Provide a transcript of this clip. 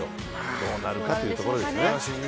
どうなるかというところですね。